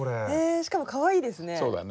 しかもかわいいですね。